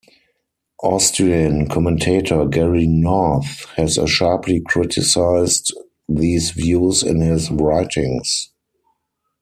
Austrian commentator Gary North has sharply criticized these views in his writings.